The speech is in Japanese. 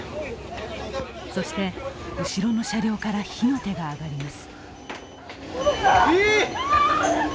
そして、後ろの車両から火の手が上がります。